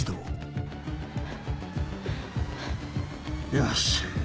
よし。